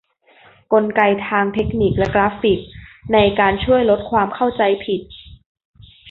กลไกทางเทคนิคและกราฟิกในการช่วยลดความเข้าใจผิด